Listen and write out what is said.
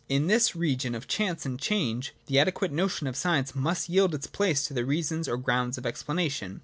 In this region of chance and change, the adequate notion of science must yield its place to reasons or grounds of explanation.